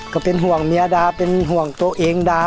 ก็เป็นห่วงเมียดาเป็นห่วงตัวเองดา